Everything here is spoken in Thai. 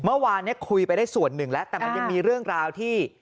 เมื่อวานเนี่ยคุยไปได้ส่วนหนึ่งแล้วแต่มันยังมีเรื่องราวที่